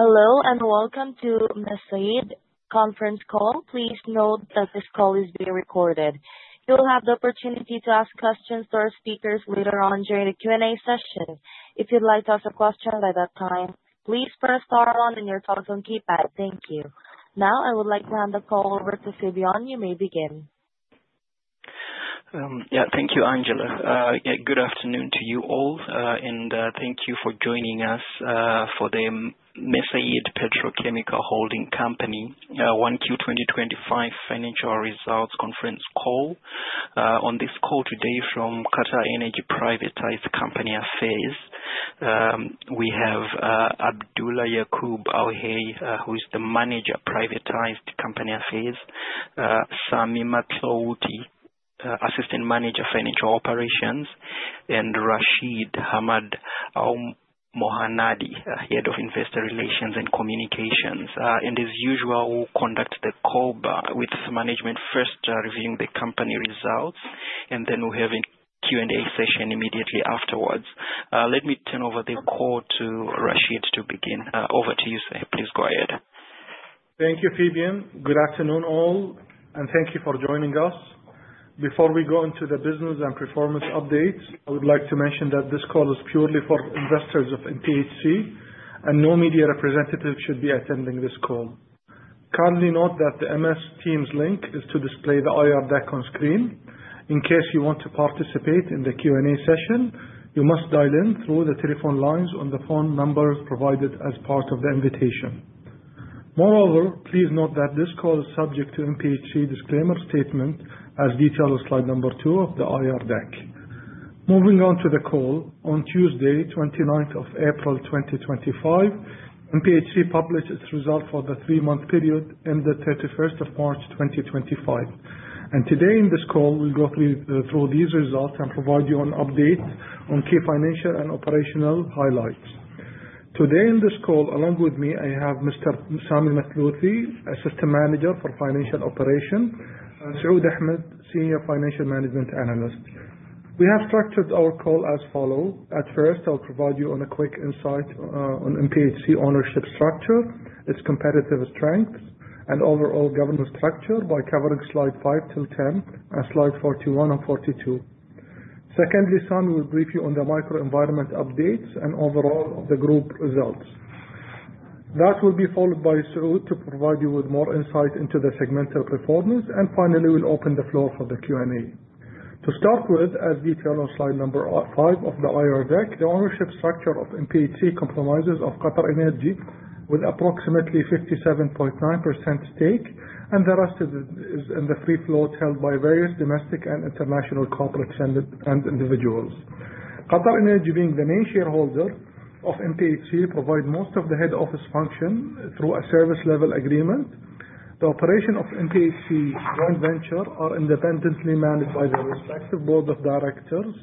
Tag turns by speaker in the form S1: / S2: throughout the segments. S1: Hello, and welcome to Mesaieed conference call. Please note that this call is being recorded. You'll have the opportunity to ask questions to our speakers later on during the Q&A session. If you'd like to ask a question by that time, please press star one on your telephone keypad. Thank you. Now I would like to hand the call over to Fabian. You may begin.
S2: Thank you, Angela. Good afternoon to you all, and thank you for joining us for the Mesaieed Petrochemical Holding Company 1Q 2025 financial results conference call. On this call today from QatarEnergy Privatized Companies Affairs, we have Abdulla Yaqoob Al-Hay, who is the Manager, Privatized Companies Affairs, Sami Mathlouthi, Assistant Manager, Financial Operations, and Rashed Hamad Al-Mohannadi, Head of Investor Relations and Communications. As usual, we'll conduct the call with management first reviewing the company results, and then we'll have a Q&A session immediately afterwards. Let me turn over the call to Rashed to begin. Over to you, sir. Please go ahead.
S3: Thank you, Fabian. Good afternoon, all, thank you for joining us. Before we go into the business and performance updates, I would like to mention that this call is purely for investors of MPHC, and no media representatives should be attending this call. Kindly note that the Microsoft Teams link is to display the IR deck on screen. In case you want to participate in the Q&A session, you must dial in through the telephone lines on the phone number provided as part of the invitation. Moreover, please note that this call is subject to MPHC disclaimer statement as detailed on slide number two of the IR deck. Moving on to the call, on Tuesday, 29th of April 2025, MPHC published its result for the three-month period end the 31st of March 2025. Today in this call, we'll go through these results and provide you an update on key financial and operational highlights. Today in this call, along with me, I have Mr. Sami Mathlouthi, Assistant Manager for Financial Operations, and Saud Ahmed, Senior Financial Management Analyst. We have structured our call as follows. At first, I'll provide you on a quick insight, on MPHC ownership structure, its competitive strengths, and overall governance structure by covering slide five till 10 and slide 41 and 42. Secondly, Sami will brief you on the microenvironment updates and overall of the group results. That will be followed by Saud to provide you with more insight into the segmental performance. Finally, we'll open the floor for the Q&A. To start with, as detailed on slide number five of the IR deck, the ownership structure of MPHC compromises of QatarEnergy with approximately 57.9% stake, and the rest is in the free float held by various domestic and international corporates and individuals. QatarEnergy, being the main shareholder of MPHC, provide most of the head office function through a service level agreement. The operation of MPHC joint venture are independently managed by the respective board of directors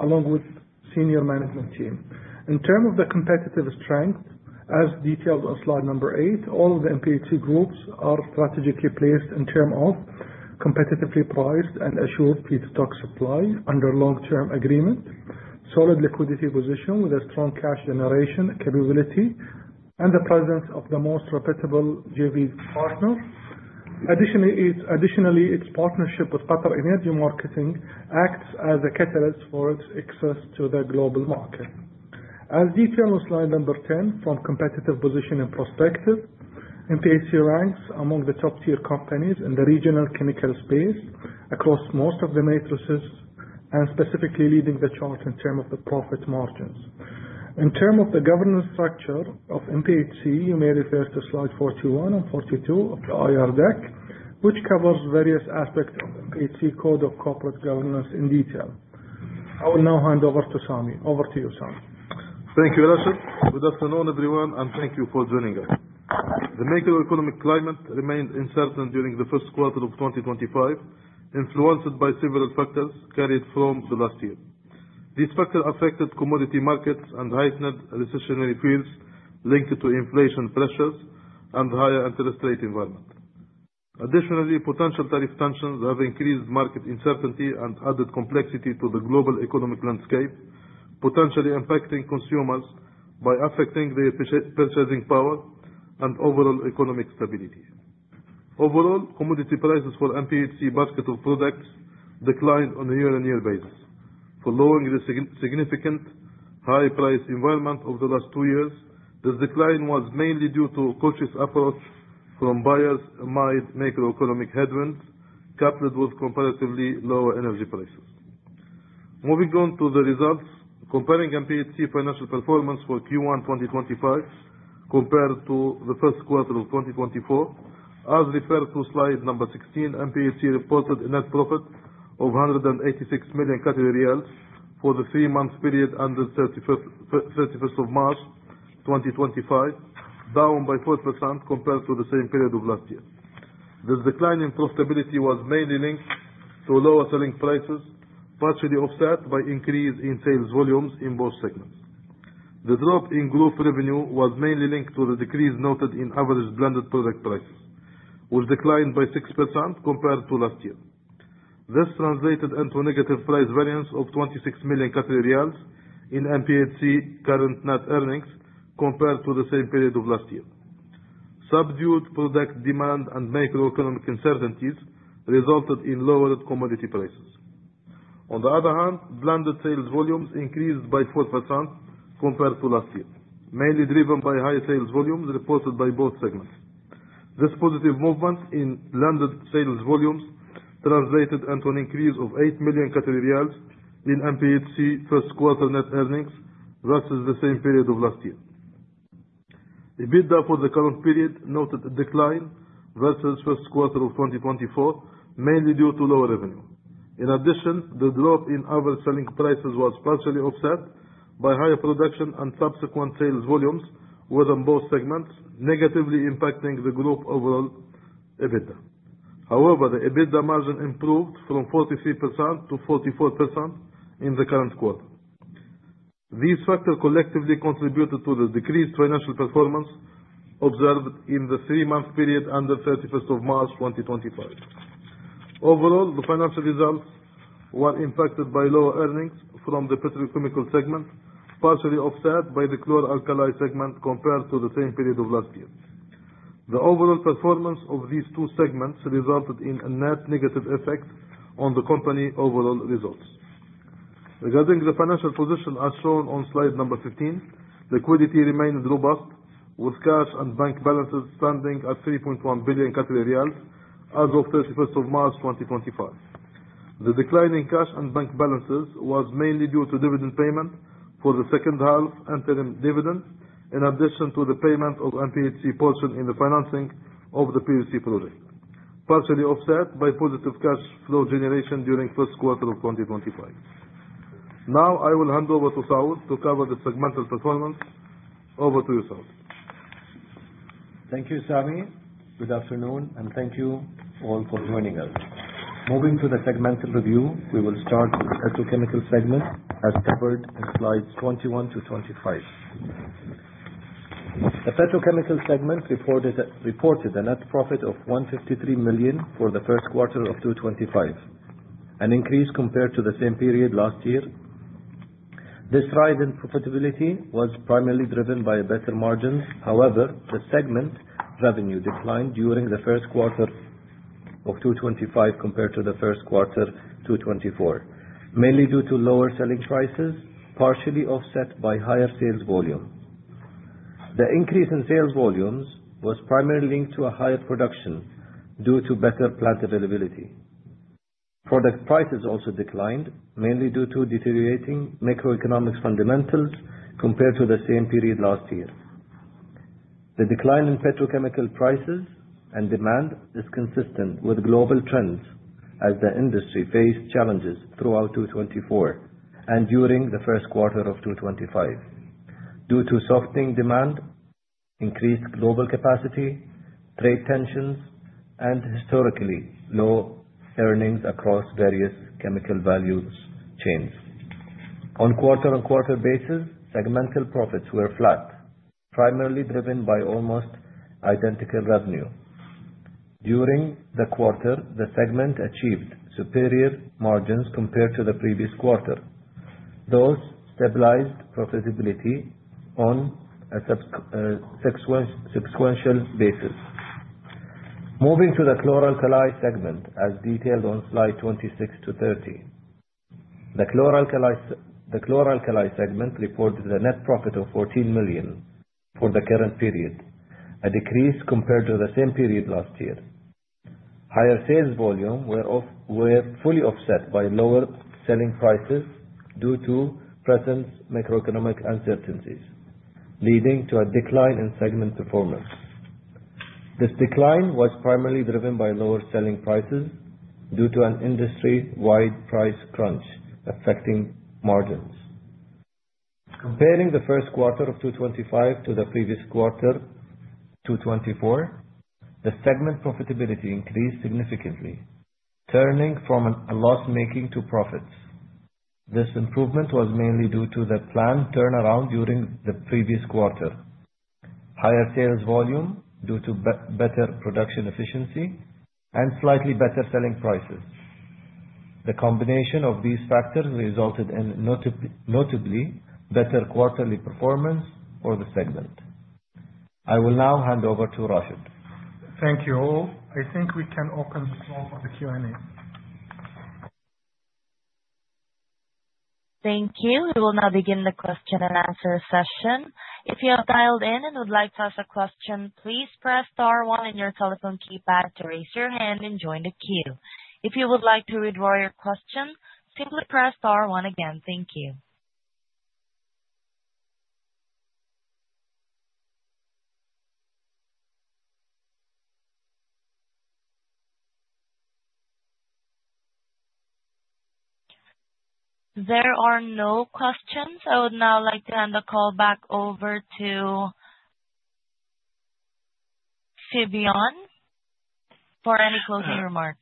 S3: along with senior management team. In term of the competitive strength, as detailed on slide number eight, all of the MPHC groups are strategically placed in term of competitively priced and assured feedstock supply under long-term agreement, solid liquidity position with a strong cash generation capability, and the presence of the most reputable JV partners. Its partnership with QatarEnergy Marketing acts as a catalyst for its access to the global market. As detailed on slide 10, from competitive position and perspective, MPHC ranks among the top-tier companies in the regional chemical space across most of the matrices, and specifically leading the chart in term of the profit margins. In term of the governance structure of MPHC, you may refer to slide 41 and 42 of the IR deck, which covers various aspects of MPHC code of corporate governance in detail. I will now hand over to Sami. Over to you, Sami.
S4: Thank you, Rashid. Good afternoon, everyone, and thank you for joining us. The macroeconomic climate remained uncertain during the first quarter of 2025, influenced by several factors carried from the last year. Potential tariff tensions have increased market uncertainty and added complexity to the global economic landscape, potentially impacting consumers by affecting their purchasing power and overall economic stability. Overall, commodity prices for MPHC basket of products declined on a year-on-year basis. Following the significant high-price environment over the last two years, this decline was mainly due to a cautious approach from buyers amid macroeconomic headwinds, coupled with comparatively lower energy prices. Moving on to the results. Comparing MPHC financial performance for Q1 2025 compared to the first quarter of 2024, as referred to slide 16, MPHC reported a net profit of 186 million Qatari riyals for the three-month period end the 31st of March 2025, down by 4% compared to the same period of last year. This decline in profitability was mainly linked to lower selling prices, partially offset by increase in sales volumes in both segments. The drop in group revenue was mainly linked to the decrease noted in average blended product price, which declined by 6% compared to last year. This translated into negative price variance of 26 million Qatari riyals in MPHC current net earnings compared to the same period of last year. Subdued product demand and macroeconomic uncertainties resulted in lowered commodity prices. On the other hand, blended sales volumes increased by 4% compared to last year, mainly driven by high sales volumes reported by both segments. This positive movement in blended sales volumes translated into an increase of 8 million in MPHC first quarter net earnings versus the same period of last year. EBITDA for the current period noted a decline versus first quarter of 2024, mainly due to lower revenue. In addition, the drop in average selling prices was partially offset by higher production and subsequent sales volumes within both segments, negatively impacting the group overall EBITDA. However, the EBITDA margin improved from 43% to 44% in the current quarter. These factors collectively contributed to the decreased financial performance observed in the three-month period under 31st of March 2025. Overall, the financial results were impacted by lower earnings from the Petrochemical segment, partially offset by the Chlor-Alkali segment compared to the same period of last year. The overall performance of these two segments resulted in a net negative effect on the company overall results. Regarding the financial position as shown on slide number 15, liquidity remains robust with cash and bank balances standing at 3.1 billion Qatari riyals as of 31st of March 2025. The decline in cash and bank balances was mainly due to dividend payment for the second half interim dividend, in addition to the payment of MPHC portion in the financing of the PVC project, partially offset by positive cash flow generation during first quarter of 2025. I will hand over to Saud to cover the segmental performance. Over to you, Saud.
S5: Thank you, Sami. Good afternoon, thank you all for joining us. Moving to the segmental review, we will start with Petrochemical segment as covered in slides 21 to 25. The Petrochemical segment reported a net profit of 153 million for the first quarter of 2025, an increase compared to the same period last year. This rise in profitability was primarily driven by better margins. However, the segment revenue declined during the first quarter of 2025 compared to the first quarter of 2024, mainly due to lower selling prices, partially offset by higher sales volume. The increase in sales volumes was primarily linked to a higher production due to better plant availability. Product prices also declined mainly due to deteriorating macroeconomic fundamentals compared to the same period last year. The decline in petrochemical prices and demand is consistent with global trends as the industry faced challenges throughout 2024 and during the first quarter of 2025 due to softening demand, increased global capacity, trade tensions, and historically low earnings across various chemical values chains. Quarter-over-quarter basis, segmental profits were flat, primarily driven by almost identical revenue. During the quarter, the segment achieved superior margins compared to the previous quarter, thus stabilized profitability on a sequential basis. Moving to the Chlor-Alkali segment as detailed on slide 26 to 30. The Chlor-Alkali segment reported a net profit of 14 million for the current period, a decrease compared to the same period last year. Higher sales volume were fully offset by lower selling prices due to present macroeconomic uncertainties, leading to a decline in segment performance. This decline was primarily driven by lower selling prices due to an industry-wide price crunch affecting margins. Comparing the first quarter of 2025 to the previous quarter, 2024, the segment profitability increased significantly, turning from a loss-making to profits. This improvement was mainly due to the planned turnaround during the previous quarter, higher sales volume due to better production efficiency and slightly better selling prices. The combination of these factors resulted in notably better quarterly performance for the segment. I will now hand over to Rashed.
S3: Thank you all. I think we can open the floor for the Q&A.
S1: Thank you. We will now begin the question and answer session. If you have dialed in and would like to ask a question, please press star one in your telephone keypad to raise your hand and join the queue. If you would like to withdraw your question, simply press star one again. Thank you. There are no questions. I would now like to hand the call back over to Fabian for any closing remarks.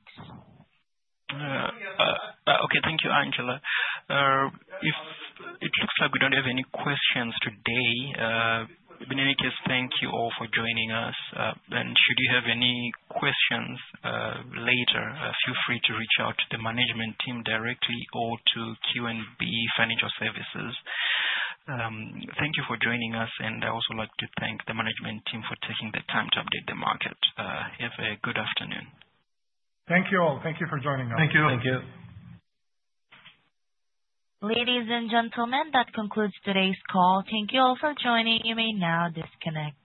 S2: Okay. Thank you, Angela. It looks like we don't have any questions today. In any case, thank you all for joining us. Should you have any questions later, feel free to reach out to the management team directly or to QNB Financial Services. Thank you for joining us, and I would also like to thank the management team for taking the time to update the market. Have a good afternoon.
S4: Thank you all. Thank you for joining us.
S5: Thank you.
S2: Thank you.
S1: Ladies and gentlemen, that concludes today's call. Thank you all for joining. You may now disconnect.